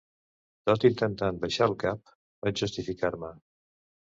Tot intentant baixar el cap, vaig justificar-me.